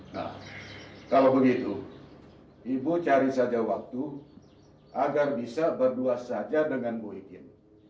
nah kalau begitu ibu cari saja waktu agar bisa berdua saja dengan baikin